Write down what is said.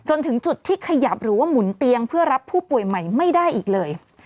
จนถึงจุดที่ขยับหรือว่าหมุนเตียงเพื่อรับผู้ป่วยใหม่ไม่ได้อีกเลย